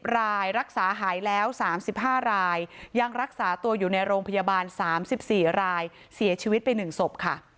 รายรักษาหายแล้ว๓๕รายยังรักษาตัวอยู่ในโรงพยาบาล๓๔รายเสียชีวิตไป๑ศพค่ะ